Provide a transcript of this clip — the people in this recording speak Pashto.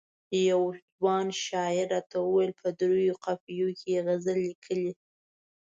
یوه ځوان شاعر راته وویل په دریو قافیو کې یې غزل لیکلی.